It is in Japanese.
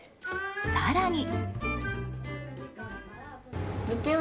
更に。